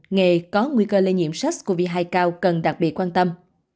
nghề có nguy cơ lây nhiễm sars cov hai cao cần đặc biệt quan tâm